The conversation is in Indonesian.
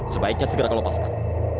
sebaiknya segera kelepaskan